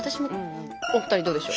お二人どうでしょう？